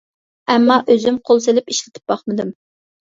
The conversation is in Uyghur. ئەمما ئۆزۈم قول سېلىپ ئىشلىتىپ باقمىدىم.